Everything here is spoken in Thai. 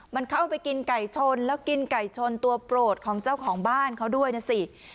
มันเข้าไปกินไก่ชนแล้วกินไก่ชนตัวโปรดของเจ้าของบ้านเขาด้วยนะสิ